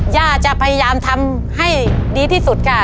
ย่าจะพยายามทำให้ดีที่สุดค่ะ